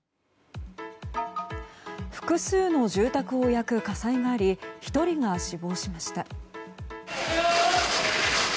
複数の住宅を焼く火災があり１人が死亡しました。